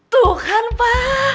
tuh kan pa